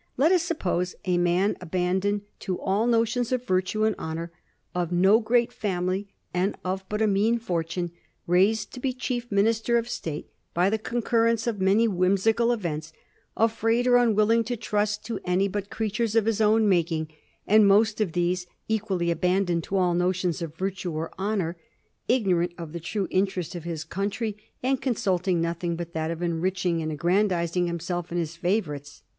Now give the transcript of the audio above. Let us suppose a man abandoned to all notions of virtue and honor, of no great family, and of but a mean fortune, raised to be chief Minister of State by the concurrence of many whimsical events ; afraid or unwilling to trust to any but creatures of his own making, and most of these equally abandoned to all notions of virtue or honor; igno rant of the true interest of his country, and consulting nothing but that of enriching and aggrandizing himself and his favorites."